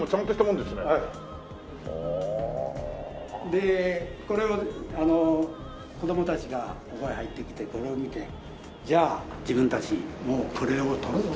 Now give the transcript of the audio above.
でこれは子供たちがここへ入ってきてこれを見てじゃあ自分たちもこれを取るぞと。